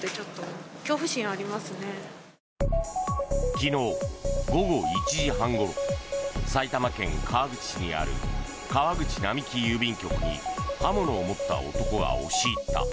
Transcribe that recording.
昨日午後１時半ごろ埼玉県川口市にある川口並木郵便局に刃物を持った男が押し入った。